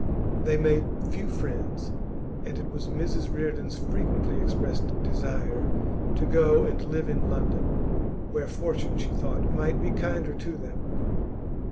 They made few friends, and it was Mrs Reardon's frequently expressed desire to go and live in London, where fortune, she thought, might be kinder to them.